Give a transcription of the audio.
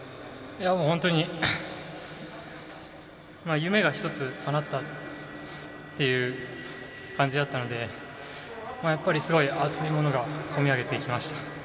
本当に夢が一つ、かなったっていう感じだったのですごい熱いものが込み上げてきました。